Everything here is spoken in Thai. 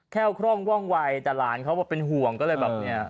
คร่องว่องวัยแต่หลานเขาเป็นห่วงก็เลยแบบเนี่ย